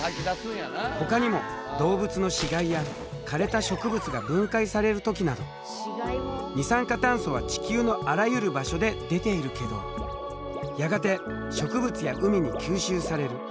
ほかにも動物の死骸やかれた植物が分解される時など二酸化炭素は地球のあらゆる場所で出ているけどやがて植物や海に吸収される。